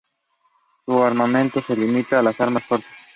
Su armamento se limitaría a armas cortas.